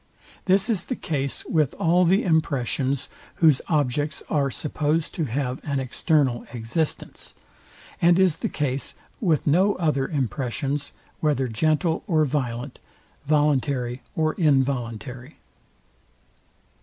This is the case with all the impressions, whose objects are supposed to have an external existence; and is the case with no other impressions, whether gentle or violent, voluntary or involuntary.